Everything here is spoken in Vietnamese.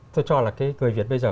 tôi cho là người việt bây giờ